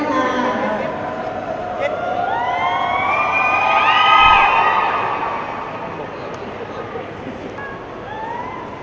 สวัสดีทุกคน